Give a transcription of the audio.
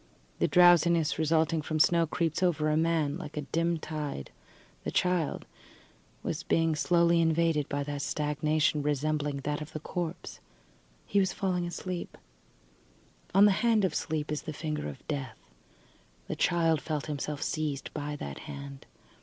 The drowsiness resulting from snow creeps over a man like a dim tide. The child was being slowly invaded by a stagnation resembling that of the corpse. He was falling asleep. On the hand of sleep is the finger of death. The child felt himself seized by that hand.